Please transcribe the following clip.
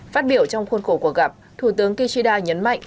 phát biểu trong khuôn khổ cuộc gặp thủ tướng kishida nhấn mạnh